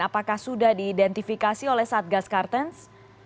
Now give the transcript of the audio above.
apakah sudah diidentifikasi oleh satgas kartens